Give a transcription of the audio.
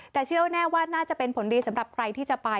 แต่เชื่อแน่ว่าน่าจะเป็นผลดีสำหรับใครที่จะไป